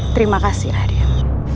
terima kasih raden